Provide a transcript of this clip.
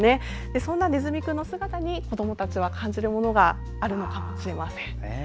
そんなねずみくんの姿に子どもたちは感じるものがあるのかもしれません。